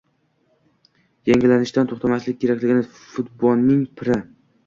yangilanishdan to‘xtamaslik kerakligini futbolning “piri”